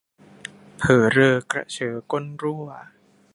เผอเรอกระเชอก้นรั่ว